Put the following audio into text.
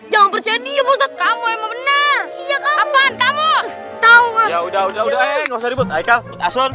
jangan percaya dia kamu emang benar